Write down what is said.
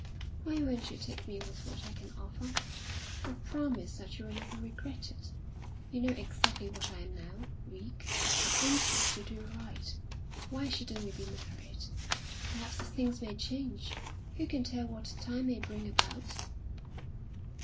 Why won't you take me with what I can offer? I promise that you will never regret it. You know exactly what I am now weak, but anxious to do right. Why shouldn't we be married? Perhaps things may change. Who can tell what time may bring about?"